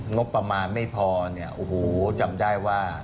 งบประมาณไม่พอเนี่ยโอ้โหจำได้ว่า